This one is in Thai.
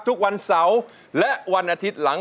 ทุกวันเสาร์และวันอาทิตย์หลัง